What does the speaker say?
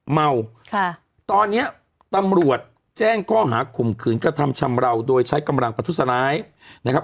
เมาค่ะตอนเนี้ยตำรวจแจ้งข้อหาข่มขืนกระทำชำราวโดยใช้กำลังประทุษร้ายนะครับ